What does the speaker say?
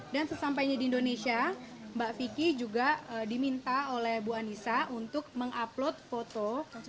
dan sesampainya di indonesia mbak vicky juga diminta oleh bu andisa untuk mengupload foto